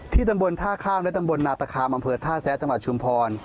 ตำบลท่าข้ามและตำบลนาตคามอำเภอท่าแซะจังหวัดชุมพร